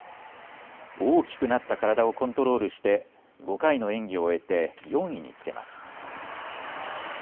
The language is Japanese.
大きくなった体をコントロールして５回の演技を終えて４位につけます。